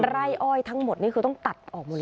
ไร่อ้อยทั้งหมดนี่คือต้องตัดออกหมดเลย